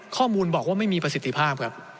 ข้อมูลบอกว่าไม่มีประสิทธิภาพครับ